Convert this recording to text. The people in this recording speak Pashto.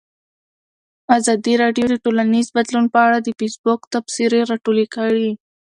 ازادي راډیو د ټولنیز بدلون په اړه د فیسبوک تبصرې راټولې کړي.